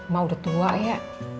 ma udah tua ya